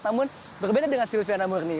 namun berbeda dengan sylvie namurni